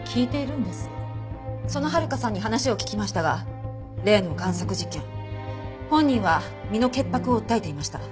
その温香さんに話を聞きましたが例の贋作事件本人は身の潔白を訴えていました。